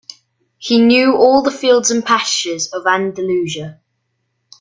He knew all the fields and pastures of Andalusia.